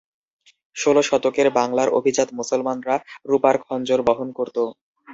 ষোল শতকের বাংলার অভিজাত মুসলমানরা রুপার খঞ্জর বহন করত।